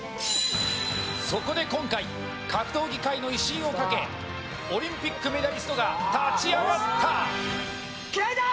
そこで今回格闘技界の威信をかけオリンピックメダリストが立ち上がった！